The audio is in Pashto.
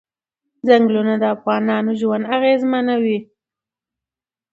چنګلونه د افغانانو ژوند اغېزمن کوي.